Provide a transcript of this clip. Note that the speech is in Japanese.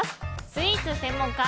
スイーツ専門家